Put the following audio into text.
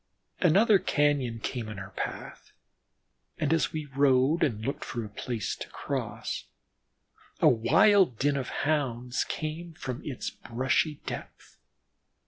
Another cañon came in our path, and as we rode and looked for a place to cross, a wild din of Hounds came from its brushy depth.